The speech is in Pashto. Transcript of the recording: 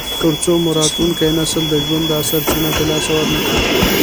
تر څو مو راتلونکی نسل د ژوند دا سرچینه د لاسه ورنکړي.